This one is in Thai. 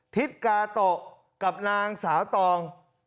ทิศกาโตะกับนางสาวตอง